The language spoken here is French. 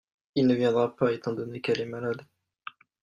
Il ne viendra pas étant donné qu'elle est malade.